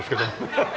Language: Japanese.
ハハハハ。